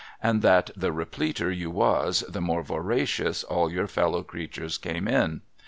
and that the repleter you was, the more voracious all your fellow creatures came in.